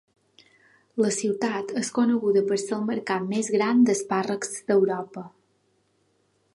La ciutat és coneguda per ser el mercat més gran d'espàrrecs d'Europa.